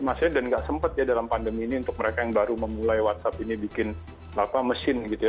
maksudnya dan nggak sempet ya dalam pandemi ini untuk mereka yang baru memulai whatsapp ini bikin mesin gitu ya